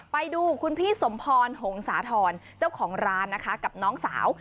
ไปดูคุณพี่สมพรหงษาธรเจ้าของร้านนะคะกับน้องสาว